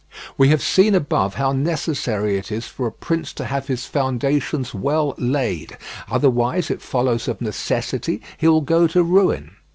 We have seen above how necessary it is for a prince to have his foundations well laid, otherwise it follows of necessity he will go to ruin.